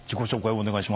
お願いします。